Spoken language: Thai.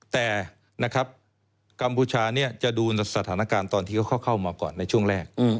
แต่นะครับกัมพูชาจะดูสถานการณ์ตอนที่เขาเข้ามาก่อนในช่วงแรก